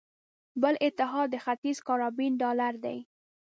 بل اتحاد د ختیځ کارابین ډالر دی.